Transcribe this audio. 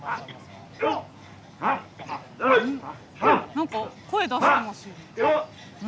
何か声を出してますね。